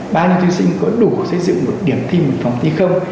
bao nhiêu thí sinh có đủ xây dựng một điểm thi một phòng thi không